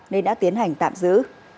nên đã tiến hành tạm giữ